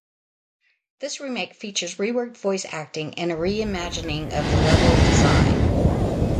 This remake features reworked voice acting and a reimagining of the level design.